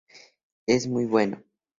Es muy bueno.